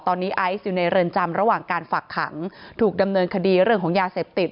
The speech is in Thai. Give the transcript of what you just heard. ตอนนี้ไอซ์อยู่ในเรือนจำระหว่างการฝากขังถูกดำเนินคดีเรื่องของยาเสพติด